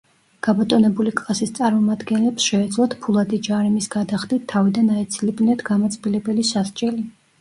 გაბატონებული კლასის წარმომადგენლებს შეეძლოთ ფულადი ჯარიმის გადახდით თავიდან აეცილებინათ გამაწბილებელი სასჯელი.